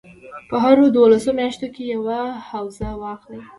په هرو دولسو میاشتو کې یوه حوزه واخلي.